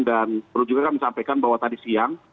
dan perlu juga kami sampaikan bahwa tadi siang